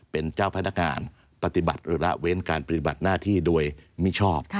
เป็นเจ้าพนักงานปฏิบัติหรือละเว้นการปฏิบัติหน้าที่โดยมิชอบ